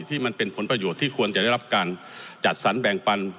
ที่เป็นผลประโยชน์ที่ควรจะได้รับการจัดสรรแบ่งปัน